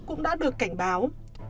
cũng đã được cảnh báo